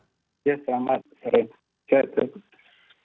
iya selamat sore